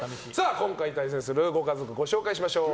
今回、対戦するご家族ご紹介しましょう。